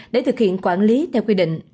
để thực hiện quản lý theo quy định